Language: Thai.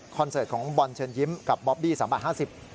คอนเสิร์ตของบอลเชิญยิ้มกับบ๊อบบี้สำหรับ๕๐